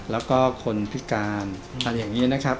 แล้วก็คนพิการอะไรอย่างนี้นะครับ